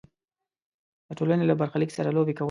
د ټولنې له برخلیک سره لوبې کول.